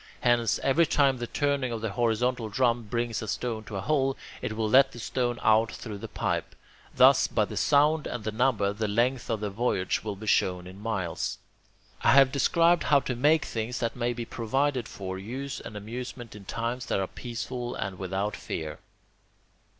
Hence, every time the turning of the horizontal drum brings a stone to a hole, it will let the stone out through the pipe. Thus by the sound and the number, the length of the voyage will be shown in miles. I have described how to make things that may be provided for use and amusement in times that are peaceful and without fear.